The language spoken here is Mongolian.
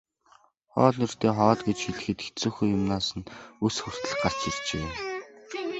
Хоол нэртэй хоол гэж хэлэхэд хэцүүхэн юмнаас нь үс хүртэл гарч иржээ.